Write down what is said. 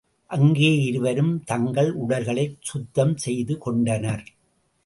அங்கே இருவரும் தங்கள் உடல்களைச் சுத்தம் செய்துகொண்டனர்.